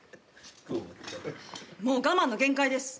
もう我慢の限界です。